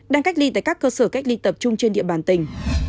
đang cách ly tại các cơ sở cách ly tập trung trên địa bàn tỉnh